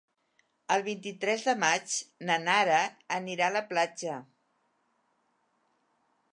El vint-i-tres de maig na Nara anirà a la platja.